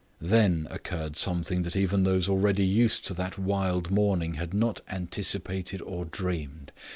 Then occurred something that even those already used to that wild morning had not anticipated or dreamed.